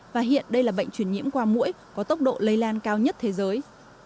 và hiện đây là bệnh truyền nhiễm qua mũi có tốc độ lây lan cao nhất thế giới